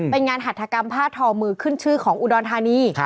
เป็นงานหัฐกรรมผ้าทอมือขึ้นชื่อของอุดรธานี